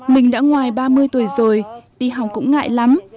mình đã ngoài ba mươi tuổi rồi đi học cũng ngại lắm